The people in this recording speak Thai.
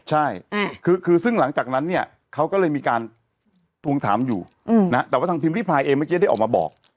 ใช่คือซึ่งหลังจากนั้นเนี่ยเขาก็เลยมีการทวงถามอยู่นะแต่ว่าทางพิมพิพายเองเมื่อกี้ได้ออกมาบอก